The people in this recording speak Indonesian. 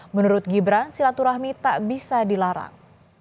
menurut gibran silaturahmi tak bisa dilarang